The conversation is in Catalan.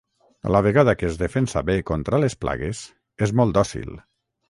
A la vegada que es defensa bé contra les plagues és molt dòcil.